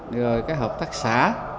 rồi cái hợp tác xã